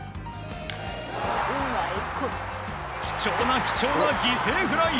貴重な貴重な犠牲フライ！